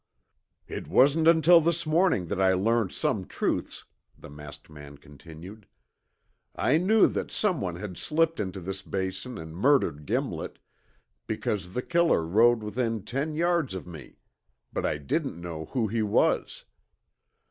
"It wasn't until this morning that I learned some truths," the masked man continued. "I knew that someone had slipped into this Basin and murdered Gimlet, because the killer rode within ten yards of me, but I didn't know who he was.